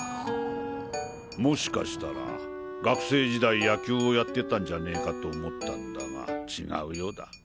もしかしたら学生時代野球をやってたんじゃねかと思ったんだが違うようだ。